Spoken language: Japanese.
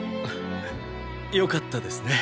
よかったですね。